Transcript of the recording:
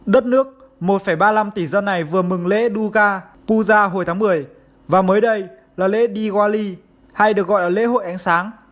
đất nước một ba mươi năm tỷ dân này vừa mừng lễ duga puza hồi tháng một mươi và mới đây là lễ diwali hay được gọi là lễ hội ánh sáng